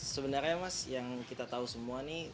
sebenarnya mas yang kita tahu semua nih